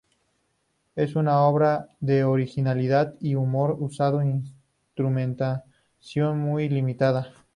Es una obra de originalidad y humor, usando instrumentación muy limitada.